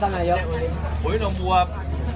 ประมาณ๑๒๔๐๐บาท